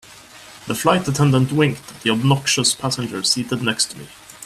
The flight attendant winked at the obnoxious passenger seated next to me.